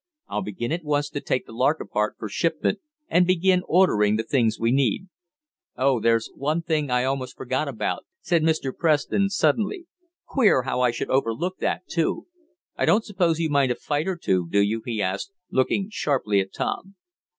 "I'll begin at once to take the Lark apart for shipment, and begin ordering the things we need." "Oh, there's one thing I almost forgot about," said Mr. Preston suddenly. "Queer, how I should overlook that, too. I don't suppose you mind a fight or two; do you?" he asked, looking sharply at Tom.